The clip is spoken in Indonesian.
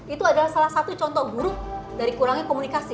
itu adalah salah satu contoh buruk dari kurangnya komunikasi